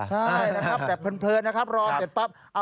ใช่นะครับแบบเพลินนะครับรอเสร็จปั๊บ